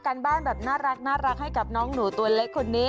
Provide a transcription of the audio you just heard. การบ้านแบบน่ารักให้กับน้องหนูตัวเล็กคนนี้